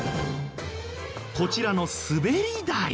こちらの滑り台。